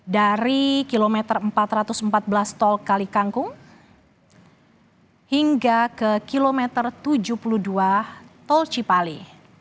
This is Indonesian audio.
dari kilometer empat ratus empat belas tol kalikangkung hingga ke kilometer tujuh puluh dua tol cipali